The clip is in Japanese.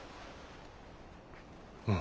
うん。